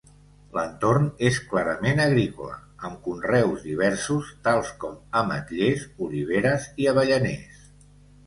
L'entorn és clarament agrícola, amb conreus diversos tals com: ametllers, oliveres i avellaners.